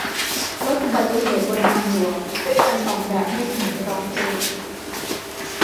ลดอุบัติเหตุบนทางหลวงด้วยการออกแบบให้ถนนร้องเพลง